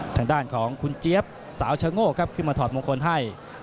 ทางด้านของคุณเจี๊ยบสาวชะโง่ครับขึ้นมาถอดมงคลให้